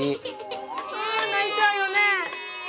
あ泣いちゃうよね。